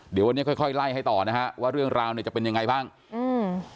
เดี๋ยววันนี้ค่อยค่อยไล่ให้ต่อนะฮะว่าเรื่องราวเนี้ยจะเป็นยังไงบ้างอืม